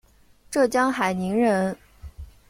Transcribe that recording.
浙江海宁人。